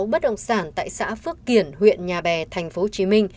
một mươi sáu bất động sản tại xã phước kiển huyện nhà bè tp hcm